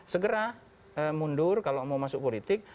segera mundur kalau mau masuk politik